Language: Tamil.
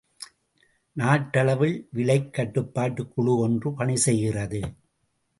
நாட்டளவில் விலைக் கட்டுப்பாட்டுக் குழு ஒன்று பணி செய்கிறது.